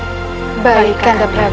hai baik kandang